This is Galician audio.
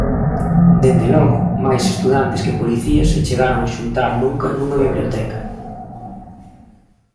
Desde logo máis estudantes que policías se chegaron a xuntar nunca nunha biblioteca.